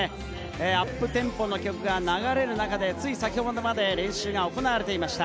アップテンポの曲が流れる中、先ほどまで練習が行われていました。